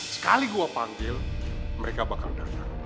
sekali gua panggil mereka bakal datang